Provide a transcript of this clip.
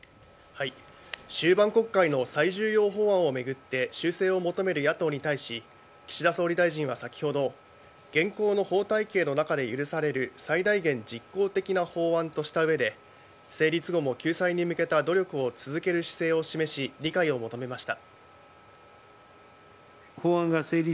終盤国会の最重要法案を巡って修正を求める野党に対し岸田総理大臣は先ほど現行の法体系の中で許される最大限実効的な法案とした上で成立後も救済に向けた努力を続ける姿勢を示し理解を求めました。